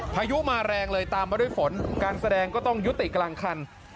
พายุมาแรงเลยตามมาด้วยฝนการแสดงก็ต้องยุติกลางคัน